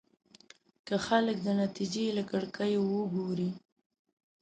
که خلک د نتيجې له کړکيو وګوري.